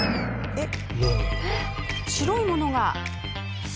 えっ？